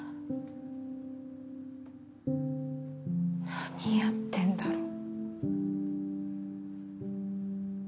何やってんだろう。